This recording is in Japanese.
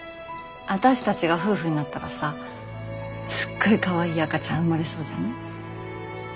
私たちが夫婦になったらさすっごいかわいい赤ちゃん生まれそうじゃない？